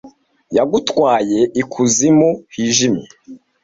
yagutwaye ikuzimu hijimye,